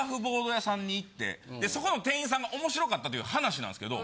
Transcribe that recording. そこの店員さんが面白かったっていう話なんですけど。